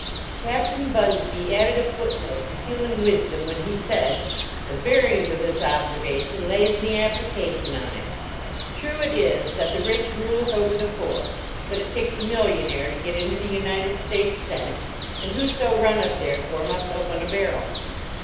Captain Bunsby added a foot note to human wisdom when he said, "The bearings of this observation lays in the application on it." True it is that "the rich ruleth over the poor;" that it take a millionaire to get into the United State Sen ate, and whoso runneth therefor mu>t open a barrel.